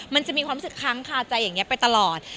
มันจะมีความรู้สึกค้างคาใจอย่างนี้ไปตลอด